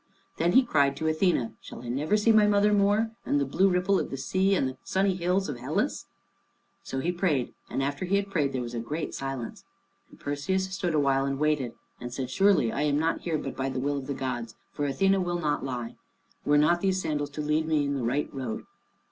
Then he cried to Athene, "Shall I never see my mother more, and the blue ripple of the sea and the sunny hills of Hellas?" So he prayed, and after he had prayed there was a great silence. And Perseus stood still awhile and waited, and said, "Surely I am not here but by the will of the gods, for Athené will not lie. Were not these sandals to lead me in the right road?"